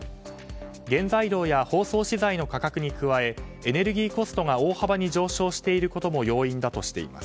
原材料や包装資材の価格に加えエネルギーコストが大幅に上昇していることも要因だとしています。